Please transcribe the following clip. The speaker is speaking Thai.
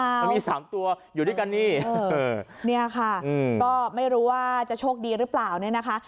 มันมีสามตัวอยู่ด้วยกันนี่เนี่ยค่ะก็ไม่รู้ว่าจะโชคดีหรือเปล่าเนี่ยนะคะ